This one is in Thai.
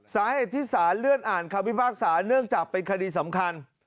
สาเหตุที่ศาลเลื่อนอ่านคำพิพากษาเนื่องจากเป็นคดีสำคัญ